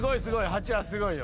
８はすごいよ。